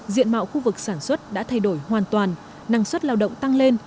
diện mạo khu vực sản xuất đã thay đổi hoàn toàn năng suất lao động tăng lên